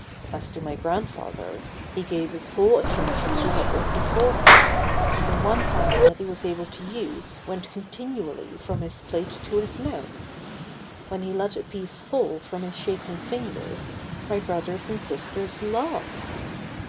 As to my grandfather, he gave his whole attention to what was before him, and the one hand that he was able to use went continually from his plate to his mouth. When he let a piece fall from his shaking fingers my brothers and sisters laughed.